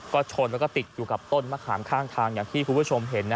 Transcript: ก็ชนแล้วก็ติดอยู่กับต้นมะขามข้างทางอย่างที่คุณผู้ชมเห็น